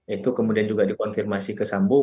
itu kemudian juga dikonfirmasi ke sambu